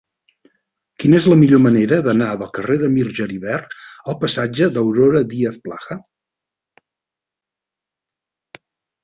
Quina és la millor manera d'anar del carrer de Mir Geribert al passatge d'Aurora Díaz Plaja?